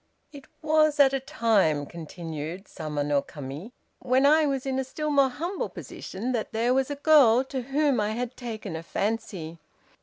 "It was at a time," continued Sama no Kami, "when I was in a still more humble position, that there was a girl to whom I had taken a fancy.